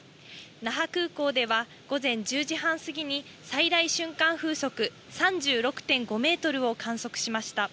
那覇空港では午前１０時半過ぎに最大瞬間風速３６．５メートルを観測しました。